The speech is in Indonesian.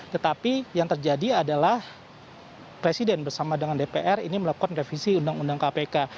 tetapi yang terjadi adalah presiden bersama dengan dpr ini melakukan revisi undang undang kpk